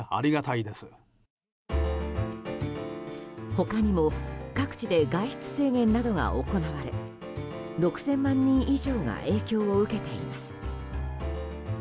他にも各地で外出制限などが行われ６０００万人以上が影響を受けています。